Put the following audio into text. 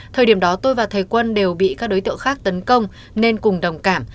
thời điểm đó tôi và thầy quân đều bị các đối tượng khác tấn công nên cùng đồng cảm